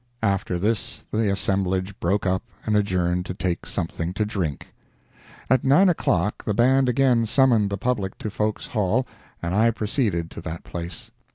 After this the assemblage broke up and adjourned to take something to drink. At nine o'clock the band again summoned the public to Foulke's Hall, and I proceeded to that place.